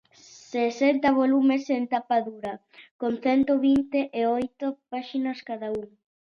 Sesenta volumes en tapa dura, con cento vinte e oito páxinas cada un.